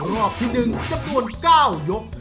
รอบที่๑จำนวน๙ยก